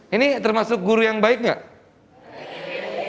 ini termasuk guru yang baik nggak